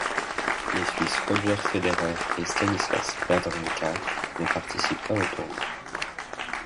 Les Suisses Roger Federer et Stanislas Wawrinka ne participent pas au tournoi.